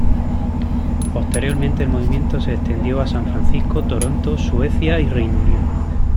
Posteriormente el movimiento se extendió a San Francisco, Toronto, Suecia y Reino Unido.